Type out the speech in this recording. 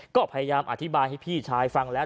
ก็พยายามอธิบายให้พี่ชายฟังแล้ว